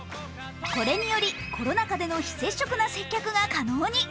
これにより、コロナ禍での非接触の接客が可能に。